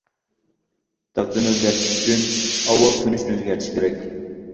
تەقدىرنى ئۆزگەرتىش ئۈچۈن، ئاۋۋال تونۇشنى ئۆزگەرتىش كېرەك.